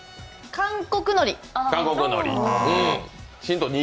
韓国のり？